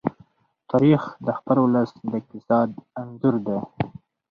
تاریخ د خپل ولس د اقتصاد انځور دی.